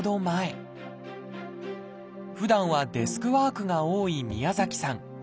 ふだんはデスクワークが多い宮崎さん。